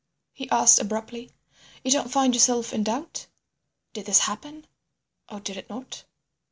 he asked abruptly. "You don't find yourself in doubt; did this happen or did it not?"